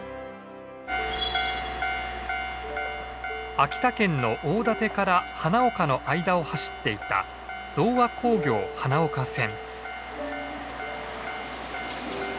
秋田県の大館から花岡の間を走っていた同和鉱業花岡線。